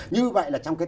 như vậy là trong cái